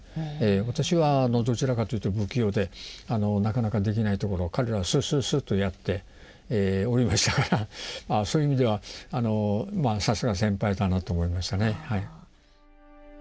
私はどちらかというと不器用でなかなかできないところを彼らはスッスッスッとやっておりましたからそういう意味ではさすが先輩だなと思いましたね。